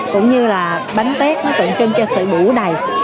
cũng như là bánh tết nó tượng trưng cho sự bủ đầy